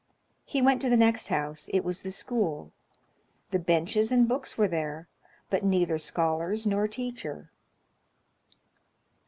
He went to the next house: it was the school; the benches and books were there, but neither scholars nor teacher.